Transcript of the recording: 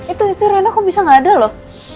itu itu rena kok bisa gak ada loh